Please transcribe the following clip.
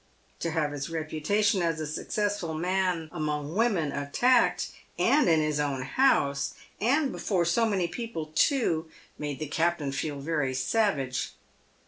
To have his reputation as a successful man among women attacked, and in his own house, and before so many people too, made the cap tain feel very savage.